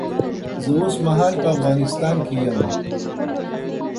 زه اوس مهال په افغانستان کې یم